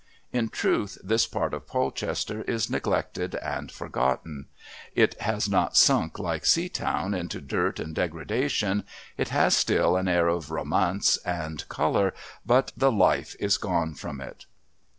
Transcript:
In truth, this part of Polchester is neglected and forgotten; it has not sunk like Seatown into dirt and degradation, it has still an air of romance and colour, but the life is gone from it.